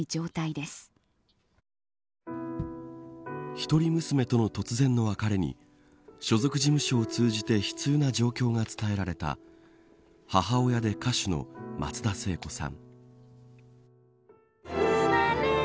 １人娘との突然の別れに所属事務所を通じて悲痛な思いを語った母親で歌手の松田聖子さん。